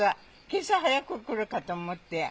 けさ早く、来るかと思って。